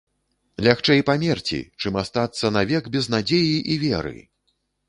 Лягчэй памерці, чым астацца навек без надзеі і веры!